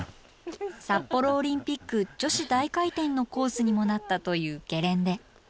札幌オリンピック女子大回転のコースにもなったというゲレンデ。